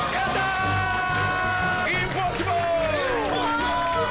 すごい！